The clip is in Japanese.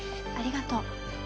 ありがとう。